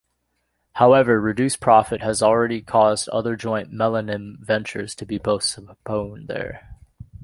However, reduced profit has already caused other joint melamine ventures to be postponed there.